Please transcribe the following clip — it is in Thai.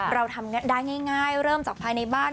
เราทำได้ง่ายเริ่มจากภายในบ้าน